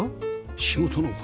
仕事の事？